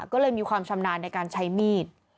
ก็เลยมีความชำนาญในการใช้มีด